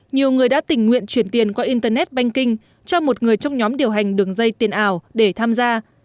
nhiều người đã tình nguyện chuyển tiền qua internet banking cho một người trong nhóm điều hành đường dây tiền ảo để tham gia